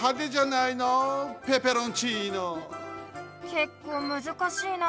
けっこうむずかしいな。